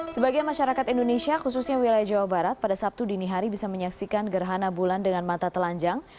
sebagai masyarakat indonesia khususnya wilayah jawa barat pada sabtu dini hari bisa menyaksikan gerhana bulan dengan mata telanjang